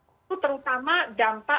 itu terutama dampak